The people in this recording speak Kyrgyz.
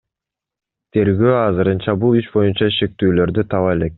Тергөө азырынча бул иш боюнча шектүүлөрдү таба элек.